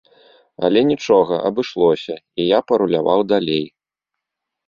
Але нічога, абышлося, і я паруляваў далей.